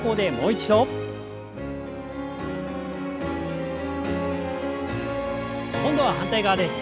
今度は反対側です。